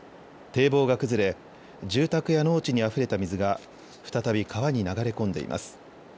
堤防が崩れ住宅や農地にあふれた水が再び、川に流れ込んでいます。